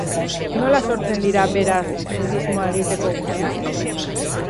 Nola sortzen dira, beraz, nudismoa egiteko guneak?